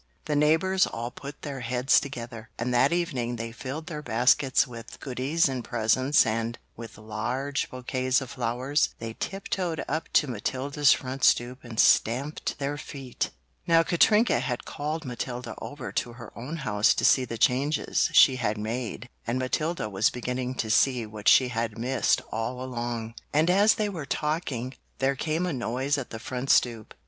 The neighbors all put their heads together, and that evening they filled their baskets with goodies and presents and, with large bouquets of flowers, they tiptoed up to Matilda's front stoop and stamped their feet. Now Katrinka had called Matilda over to her own house to see the changes she had made and Matilda was beginning to see what she had missed all along. And as they were talking, there came a noise at the front stoop.